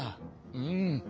うん！